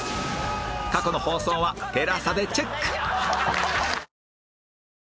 過去の放送は ＴＥＬＡＳＡ でチェック